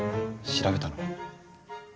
調べたの？